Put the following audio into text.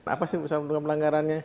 apa sih usaha penunggang pelanggarannya